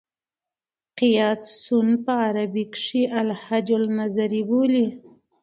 قیاسي سون په عربي کښي الهج النظري بولي.